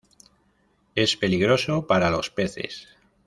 Es peligroso para los peces.